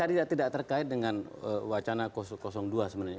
tadi tidak terkait dengan wacana dua sebenarnya